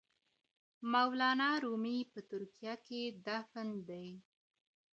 مولانا رومي په ترکیه کې دفن دی.